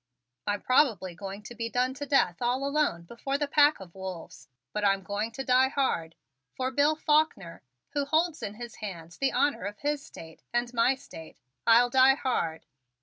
I'm probably going to be done to death all alone before the pack of wolves, but I'm going to die hard for Bill Faulkner, who holds in his hand the honor of his State and my State, I'll die hard!"